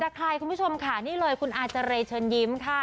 แต่คลายคุณผู้ชมค่ะนี่เลยคุณอาจารย์เชิญยิ้มค่ะ